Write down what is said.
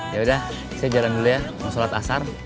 yaudah saya jalan dulu ya mau sholat asar